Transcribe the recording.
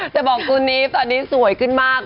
แต่บอกตัวนี้ตอนนี้สวยขึ้นมาก